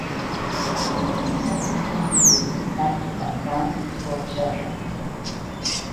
Most dengue infected by young and school children.